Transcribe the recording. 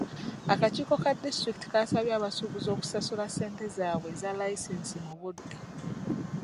Akakiiko ka disitulikiti kasabye abasuubuzi okusasula ensimbi zaabwe eza layisinsi mu budde.